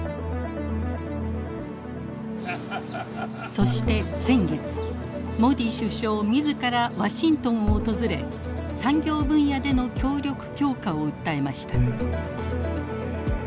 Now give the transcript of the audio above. そして先月モディ首相自らワシントンを訪れ産業分野での協力強化を訴えました。